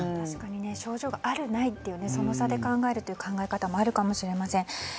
症状がある、ないという差で考えるという考え方もあるかもしれません。